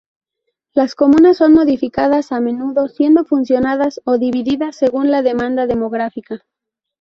Las comunas son modificadas a menudo, siendo fusionadas o divididas según la demanda demográfica.